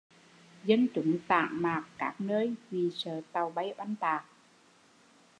Dân chúng tản mạc các nơi vì sợ tàu bay oanh tạc